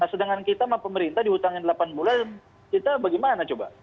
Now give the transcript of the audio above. sedangkan kita sama pemerintah dihutangin delapan bulan kita bagaimana coba